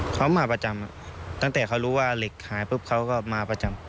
เขามาประจำตั้งแต่เขารู้ว่าเหล็กหายปุ๊บเขาก็มาประจำ